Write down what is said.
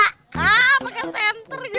ah pakai senter gitu